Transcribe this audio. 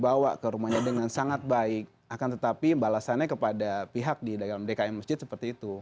akan tetapi balasannya kepada pihak di dalam dki masjid seperti itu